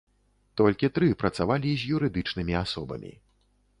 Толькі тры працавалі з юрыдычнымі асобамі.